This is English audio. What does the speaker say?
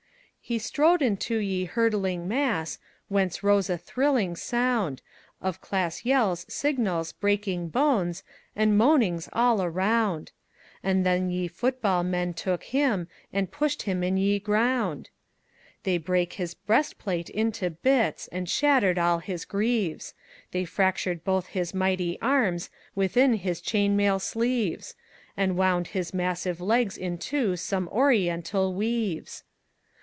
He strode into ye hurtlynge mass, Whence rose a thrillynge sounde Of class yelles, sygnalles, breakynge bones, And moanynges all arounde; And thenne ye footeballe menne tooke hym And pushed hym in ye grounde! They brake hys breastplayte into bits, And shattered all hys greaves; They fractured bothe hys myghtie armes Withynne hys chaynemayle sleeves, And wounde hys massyve legges ynto Some oryentalle weaves.